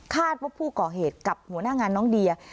ว่าผู้ก่อเหตุกับหัวหน้างานน้องเดีย